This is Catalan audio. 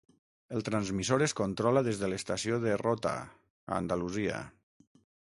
El transmissor es controla des de l'estació de Rota, a Andalusia.